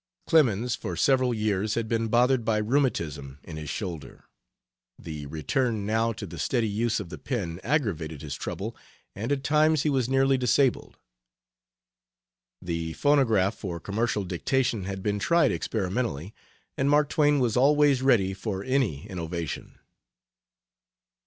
] Clemens for several years had been bothered by rheumatism in his shoulder. The return now to the steady use of the pen aggravated his trouble, and at times he was nearly disabled. The phonograph for commercial dictation had been tried experimentally, and Mark Twain was always ready for any innovation.